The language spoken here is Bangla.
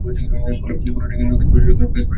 বলিউডে একজন সংগীত পরিচালকের বৃহৎ পরিসরে কাজ থাকে।